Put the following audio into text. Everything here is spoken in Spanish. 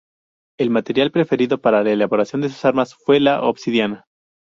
El material preferido para la elaboración de sus armas fue la obsidiana.